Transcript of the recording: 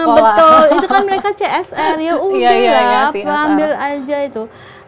betul itu kan mereka csr ya untung lah ya ambil aja itu